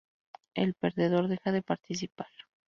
El perdedor deja de participar.